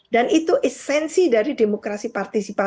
dan itu esensi dari demokrasi partisipatif